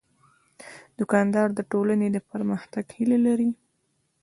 دوکاندار د ټولنې د پرمختګ هیله لري.